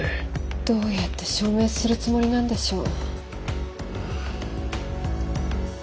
どうやって証明するつもりなんでしょう。